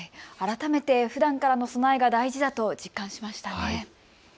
改めてふだんからの備えが大事だと実感しましたね。